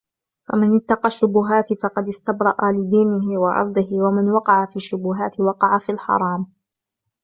فَمَنِ اتَّقَى الشُّبُهَاتِ فَقَدِ اسْتَبْرَأَ لِدِينِهِ وعِرْضِهِ، ومَنْ وَقَعَ فِي الشُّبُهَاتِ وَقَعَ فِي الْحَرَامِ